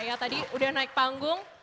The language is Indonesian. yang tadi udah naik panggung